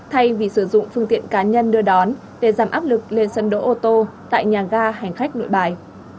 thay vì sử dụng phương tiện cá nhân đưa đón để giảm áp lực lên sân đỗ ô tô tại nhà ga hành khách nội bài